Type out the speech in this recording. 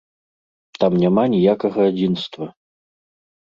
Там няма ніякага адзінства.